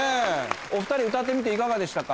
お２人歌ってみていかがでしたか？